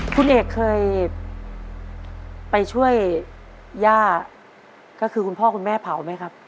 คุณเอกเคยไปช่วยย่าก็คือคุณพ่อคุณแม่เผาไหมครับ